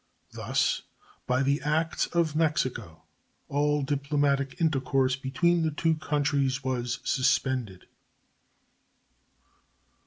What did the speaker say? Thus, by the acts of Mexico, all diplomatic intercourse between the two countries was suspended.